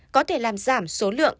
có thể làm giảm số lượng